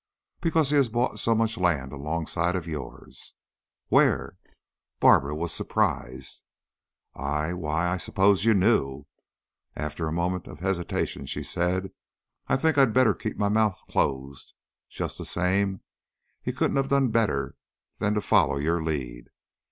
"Because he has bought so much land alongside of yours." "Where?" Barbara was surprised. "I why, I supposed you knew!" After a moment of hesitation she said: "I think I'd better keep my mouth closed. Just the same, he couldn't have done better than to follow your lead.